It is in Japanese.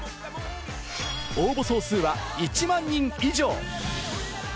応募総数は１万人以上。